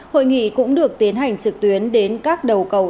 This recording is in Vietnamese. hội nghị cũng được tiến hành trực tuyến đến các đầu cầu